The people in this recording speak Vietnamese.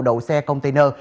đậu xe container